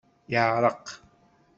Yeɛreq.